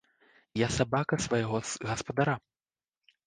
Я сабака свайго гаспадара.